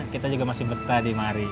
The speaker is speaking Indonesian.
kita juga masih betah di mari